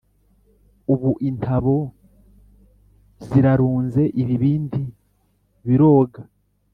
Ubu intabo zirarunze Ibibindi biroga